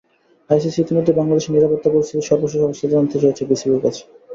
ICC ইতিমধ্যেই বাংলাদেশের নিরাপত্তা পরিস্থিতির সর্বশেষ অবস্থা জানতে চেয়েছে বিসিবির কাছে।